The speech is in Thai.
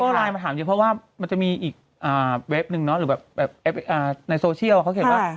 ไลน์มาถามเยอะเพราะว่ามันจะมีอีกเว็บนึงเนาะหรือแบบในโซเชียลเขาเขียนว่า